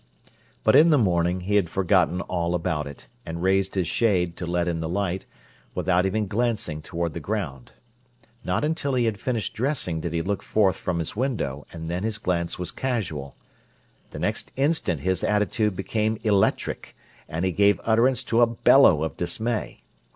But in the morning he had forgotten all about it, and raised his shade, to let in the light, without even glancing toward the ground. Not until he had finished dressing did he look forth from his window, and then his glance was casual. The next instant his attitude became electric, and he gave utterance to a bellow of dismay.